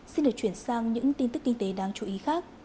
xin được chuyển sang những tin tức kinh tế đáng chú ý khác